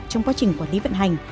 trong quá trình quản lý vận hành